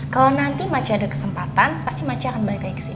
kalau nanti masih ada kesempatan pasti akan balik lagi ke sini